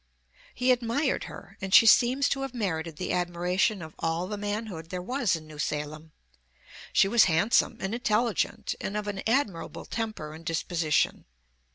He admired her, and she seems to have merited the admiration of all the manhood there was in New Salem. She was handsome and intelligent and of an admirable temper and disposition.